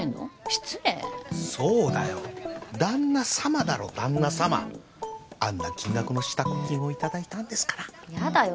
失礼そうだよ旦那様だろ旦那様あんな金額の支度金をいただいたんですからヤダよ